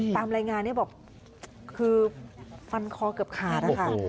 ตามรายงานเนี่ยบอกคือฟันคอเกือบขาดนะคะ